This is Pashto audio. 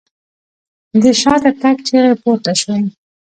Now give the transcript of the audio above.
د شاته تګ چيغې پورته شوې.